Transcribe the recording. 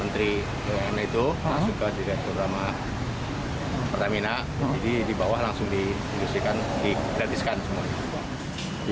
dari pak menteri bn itu masuk ke direktur ramah pertamina jadi di bawah langsung diindustrikan di gratiskan semuanya